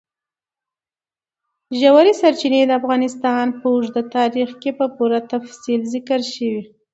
ژورې سرچینې د افغانستان په اوږده تاریخ کې په پوره تفصیل ذکر شوی.